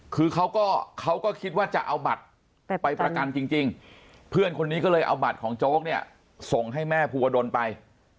คือเขาก็เขาก็คิดว่าจะเอาบัตรไปประกันจริงเพื่อนคนนี้ก็เลยเอาบัตรของโจ๊กเนี่ยส่งให้แม่ภูวดลไป